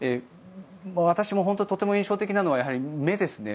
私も、本当にとても印象的なのは目ですね。